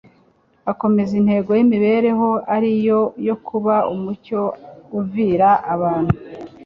akomeza intego y'imibereho ye, ari yo yo kuba umucyo uvira abantu.